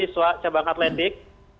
dari sebuah cabang atletik